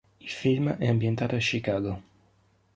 Il film è ambientato a Chicago.